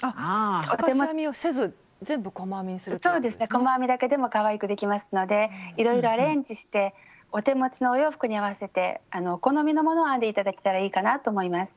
細編みだけでもかわいくできますのでいろいろアレンジしてお手持ちのお洋服に合わせてお好みのものを編んで頂けたらいいかなと思います。